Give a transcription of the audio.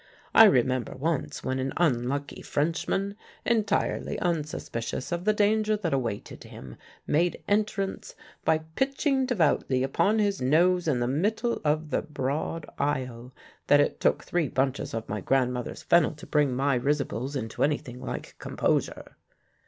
I remember once when an unlucky Frenchman, entirely unsuspicious of the danger that awaited him, made entrance by pitching devoutly upon his nose in the middle of the broad aisle; that it took three bunches of my grandmother's fennel to bring my risibles into any thing like composure.